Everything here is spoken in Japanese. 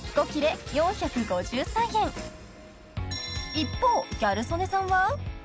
［一方ギャル曽根さんは？］